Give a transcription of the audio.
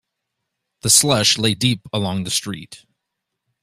The slush lay deep along the street.